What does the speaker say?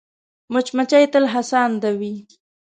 مچمچۍ تل هڅاند وي